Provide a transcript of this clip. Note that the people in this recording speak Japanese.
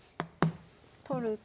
取ると？